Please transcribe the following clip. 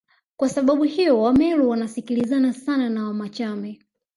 Kwa sababu hiyo Wameru wanasikilizana sana na Wamachame